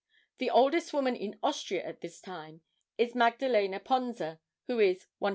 '" The oldest woman in Austria at this time is Magdalene Ponza, who is 112.